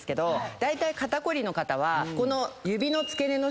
だいたい肩こりの方はこの。